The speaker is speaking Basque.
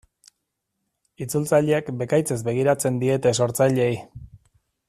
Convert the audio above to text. Itzultzaileek bekaitzez begiratzen diete sortzaileei.